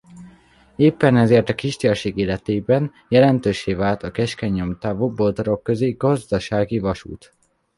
Éppen ezért a kistérség életében jelentőssé vált a keskeny nyomtávú Bodrogközi Gazdasági Vasút.